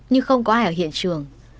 nhưng không có ai ở hiện trường